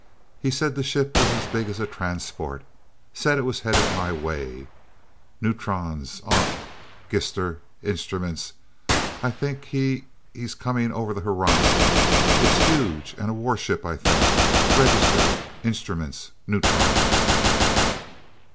He said the ship was as big as a transport. Said it was headed my way. Neutrons ont gister instruments. I think is h he's coming over the horizon. It's huge, and a war ship I think register instruments neutrons."